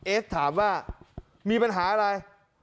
เอสถามว่ามีปัญหาอะไร